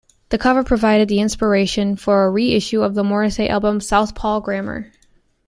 The cover provided the inspiration for a re-issue of the Morrissey album, Southpaw Grammar.